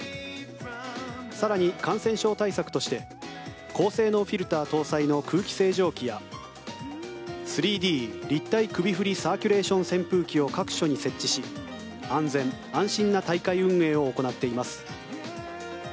更に、感染症対策として高性能フィルター搭載の空気清浄機や３Ｄ立体首振りサーキュレーション扇風機を各所に設置し、安全安心な大会運営を行っています。